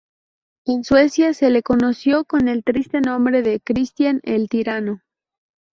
En Suecia se le conoció con el triste nombre de "Cristián el Tirano".